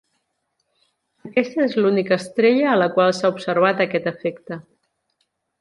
Aquesta és l'única estrella a la qual s'ha observat aquest efecte.